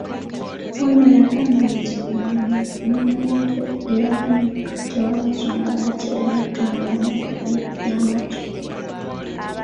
Ono yagamba nti nga munnamagye eyagannyuka, tewaali nsonga lwaki yali atwalibwa mu ddwaliro ly'amagye.